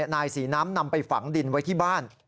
นายศรีน้ำนำไปฝังดินไว้ที่บ้าน